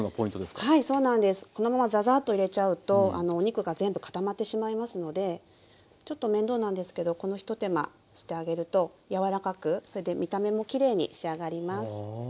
このままザザーッと入れちゃうとお肉が全部固まってしまいますのでちょっと面倒なんですけどこの一手間してあげると柔らかくそれで見た目もきれいに仕上がります。